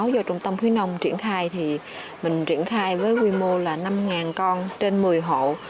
do trung tâm khuyến nông triển khai với quy mô năm con trên một mươi hộ